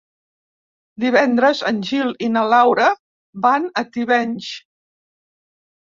Divendres en Gil i na Laura van a Tivenys.